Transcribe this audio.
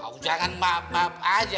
oh jangan maaf maaf aja